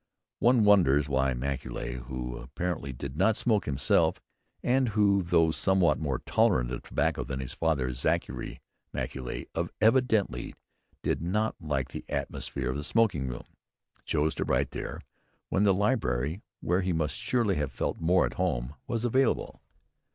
One wonders why Macaulay, who apparently did not smoke himself, and who, though somewhat more tolerant of tobacco than his father, Zachary Macaulay, evidently did not like the atmosphere of the smoking room, chose to write there, when the library where he must surely have felt more at home was available.